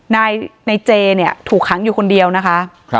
นายเจเนี่ยถูกขังอยู่คนเดียวนะคะ